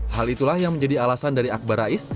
hal itulah yang menjadi alasan dari akbar rais